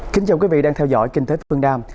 kính chào quý vị đang theo dõi kinh tế phương nam